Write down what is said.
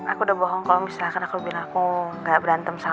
aku udah bohong kalau misizers kan aku bilang aku ga berantem sama